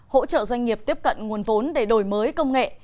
hỗ trợ doanh nghiệp tiếp cận nguồn vốn để đổi mới công nghệ